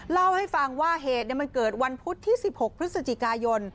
เล่าให้ฟังว่าเหตุมันเกิดวันพุธที่๑๖พฤศจิกายน